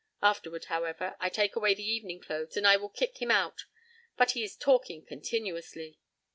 Afterward, however, I take away the evening clothes and I will kick him out. But he is talking continuously."